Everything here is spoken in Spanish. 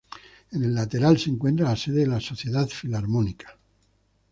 En el lateral se encuentra la sede de la Sociedad Filarmónica.